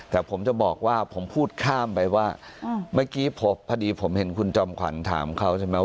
แต่ผมจะบอกว่าผมพูดข้ามไปว่าเมื่อกี้พอดีผมเห็นคุณจอมขวัญถามเขาใช่ไหม